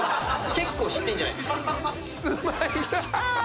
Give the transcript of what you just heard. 結構知ってんじゃないですか。